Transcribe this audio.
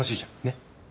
ねっ？